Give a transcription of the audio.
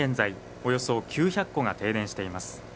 およそ９００戸が停電しています